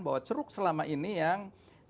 bahwa ceruk selama ini yang